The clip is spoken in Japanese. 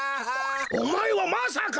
おまえはまさか！？